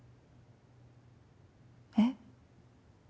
えっ？